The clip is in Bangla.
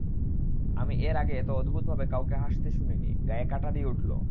আমি এর আগে এত অদ্ভুতভাবে কাউকে হাসতে শুনি নি, গায়ে কাঁটা দিয়ে উঠল।